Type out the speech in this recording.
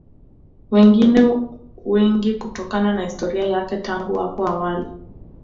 Wengine wengi kutokana na historia yake tangu hapo awali